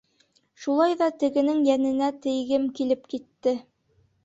Шулай ҙа тегенең йәненә тейгем килеп китте.